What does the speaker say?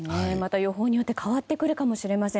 予報によって変わってくるかもしれません。